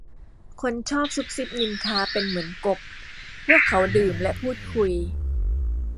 คนชอบซุบซิบนินทาเป็นเหมือนกบ พวกเขาดื่มและพูดคุย